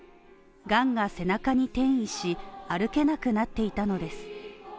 がんが背中に転移し、歩けなくなっていたのです。